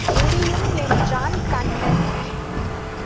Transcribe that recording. முடியும் என்றான் கண்ணன்.